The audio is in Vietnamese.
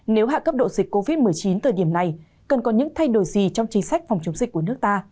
nếu hạ cấp độ dịch covid một mươi chín thời điểm này cần có những thay đổi gì trong chính sách phòng chống dịch của nước ta